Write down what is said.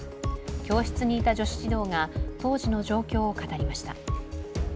教室にいた女子児童が当時の状況を語りました。